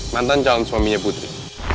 mantan calon suaminya putri